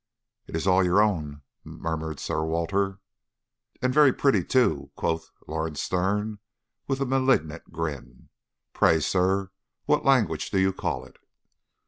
"It's all your own," murmured Sir Walter. "And very pretty, too," quoth Lawrence Sterne, with a malignant grin. "Pray sir, what language do you call it?"